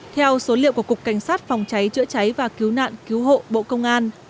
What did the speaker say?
theo số liệu của cục cảnh sát phòng cháy chữa cháy và cứu nạn cứu hộ bộ công an